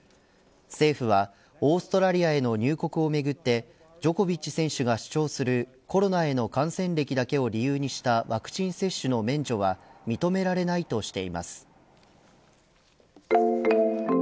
政府はオーストラリアへの入国をめぐってジョコビッチ選手が主張するコロナへの感染歴だけを理由にしたワクチン接種の免除は認められないとしています。